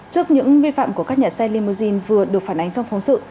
trước những vi phạm của các nhà xe limousine vừa được phản ánh trong phóng sự